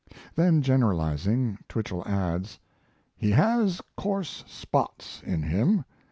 Then generalizing, Twichell adds: He has coarse spots in him.